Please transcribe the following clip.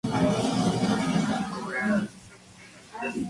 Fue nombrado profesor en las clases de coro del Conservatorio de París.